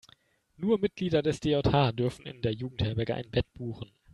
Nur Mitglieder des DJH dürfen in der Jugendherberge ein Bett buchen.